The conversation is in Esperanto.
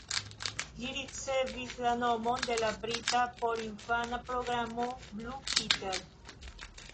Ĝi ricevis la nomon de la brita porinfana programo Blue Peter.